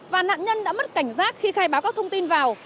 và nạn nhân đã mất cảnh giác khi khai báo các thông tin vào